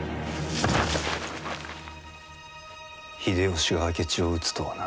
秀吉が明智を討つとはな。